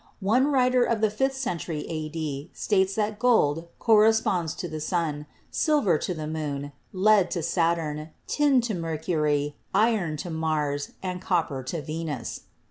One writer of the fifth century a.d. states that gold corresponds to the sun, silver to the moon, lead to Saturn, tin to Mercury, iron to Mars, and copper to Venus.